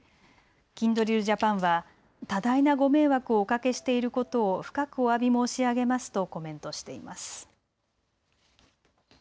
キンドリルジャパンは多大なご迷惑をおかけしていることを深くおわび申し上げますとコメントしています。